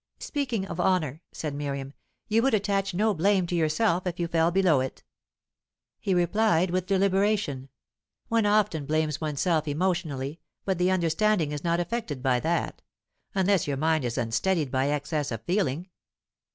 "Speaking of honour," said Miriam, "you would attach no blame to yourself if you fell below it." He replied with deliberation: "One often blames one's self emotionally, but the understanding is not affected by that. Unless your mind is unsteadied by excess of feeling."